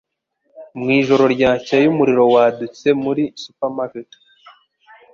Mu ijoro ryakeye umuriro wadutse muri supermarket.